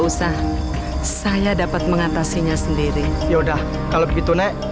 usah saya dapat mengatasinya sendiri ya udah kalau begitu nek